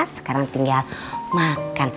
sekarang tinggal makan